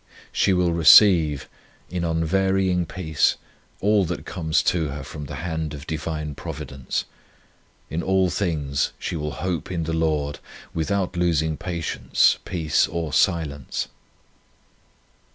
1 She will receive in unvarying peace all that comes to her from the hand of Divine Providence. In all things she will hope in the Lord, without losing patience, peace, or silence.